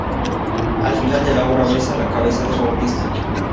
Al final de la obra besa la cabeza del Bautista.